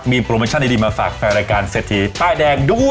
มีโปรโมชั่นดีมาฝากแฟนรายการเศรษฐีป้ายแดงด้วย